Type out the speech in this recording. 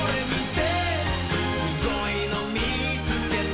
「すごいのみつけた」